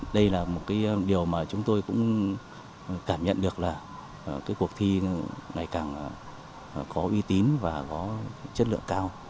đây là một điều mà chúng tôi cũng cảm nhận được là cuộc thi ngày càng có uy tín và có chất lượng cao